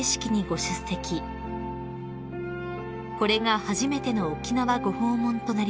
［これが初めての沖縄ご訪問となりました］